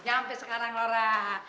nyampe sekarang lora